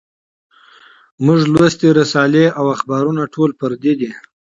مونږ لوستي رسالې او اخبارونه ټول پردي دي